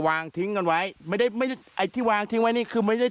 วางทิ้งกันไว้ไม่ได้ไม่ได้ไอ้ที่วางทิ้งไว้นี่คือไม่ได้